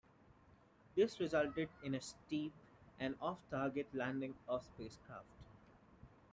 This resulted in a steep and off target landing of the spacecraft.